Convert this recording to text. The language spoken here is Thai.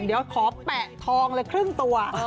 เดี๋ยวขอแปะทองเลยครึ่งตัว